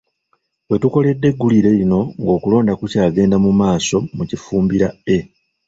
We tukoledde eggulire lino ng'okulonda kukyagenda mu maaso mu Kifumbira A.